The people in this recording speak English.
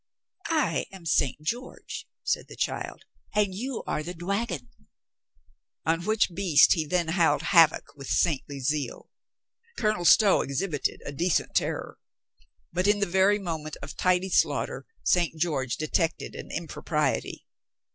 "I am St. George," said the child, "and you are the dwagon." On which beast he then howled havoc with saintly zeal. Colonel Stow exhibited a decent terror. But in the very moment of tidy slaughter St. George detected an impropriety.